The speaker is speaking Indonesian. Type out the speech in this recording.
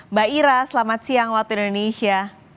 mbak ira selamat siang waktu indonesia